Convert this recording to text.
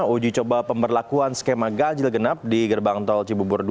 uji coba pemberlakuan skema ganjil genap di gerbang tol cibubur dua